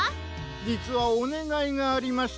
じつはおねがいがありまして。